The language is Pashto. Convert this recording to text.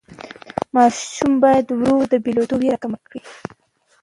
ماشوم باید ورو ورو د بېلېدو وېره کمه کړي.